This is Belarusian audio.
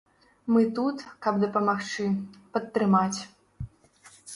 Мы тут, каб дапамагчы, падтрымаць.